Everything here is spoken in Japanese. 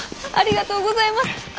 ありがとうございます。